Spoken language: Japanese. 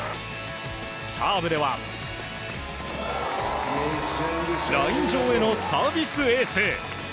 サーブではライン上へのサービスエース！